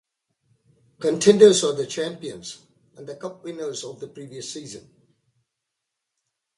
Contenders are the champions and the cup winners of the previous season.